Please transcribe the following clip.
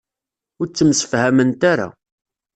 Ur ttemsefhament ara.